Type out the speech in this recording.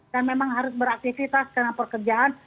dan memang harus beraktifitas karena pekerjaan